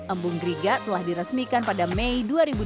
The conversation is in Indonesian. embung griga telah diresmikan pada mei dua ribu dua puluh